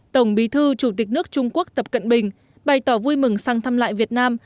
tổng bí thư chủ tịch nước trung quốc tập cận bình bày tỏ vui mừng sang thăm lại việt nam